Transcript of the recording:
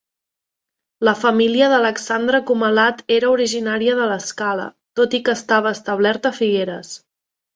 La família d’Alexandre Comalat era originària de l’Escala, tot i que estava establerta a Figueres.